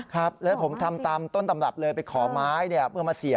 ครับผมต้นตำรับเลยไปขอไม้เดี๋ยวมาเสีย